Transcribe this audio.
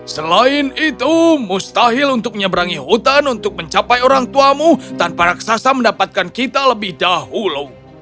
selain itu mustahil untuk menyeberangi hutan untuk mencapai orang tuamu tanpa raksasa mendapatkan kita lebih dahulu